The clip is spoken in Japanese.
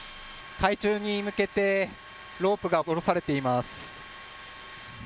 海中に向けてロープが下ろされています。